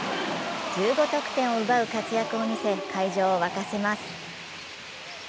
１５得点を奪う活躍を見せ会場を沸かせます。